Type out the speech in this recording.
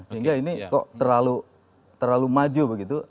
sehingga ini kok terlalu maju begitu